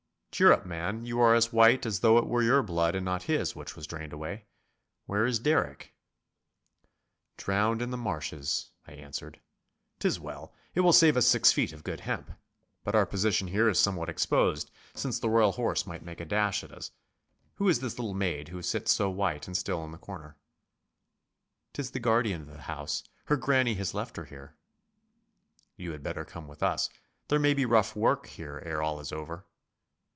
Cheer up, man! You are as white as though it were your blood and not his which was drained away. Where is Derrick?' 'Drowned in the marshes,' I answered. ''Tis well! It will save us six feet of good hemp. But our position here is somewhat exposed, since the Royal Horse might make a dash at us. Who is this little maid who sits so white and still in the corner.' ''Tis the guardian of the house. Her granny has left her here.' 'You had better come with us. There may be rough work here ere all is over.